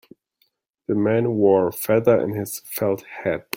The man wore a feather in his felt hat.